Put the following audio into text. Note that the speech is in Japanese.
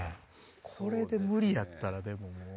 これで無理やったらもう。